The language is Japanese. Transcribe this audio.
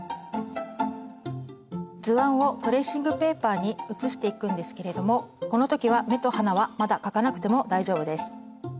図案をトレーシングペーパーに写していくんですけれどもこの時は目と鼻はまだ描かなくても大丈夫です。